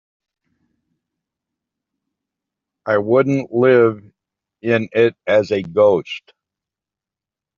I wouldn't live in it as a ghost.